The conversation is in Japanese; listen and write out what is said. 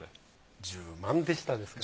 １０万でしたですかね。